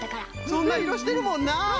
そんないろしてるもんな！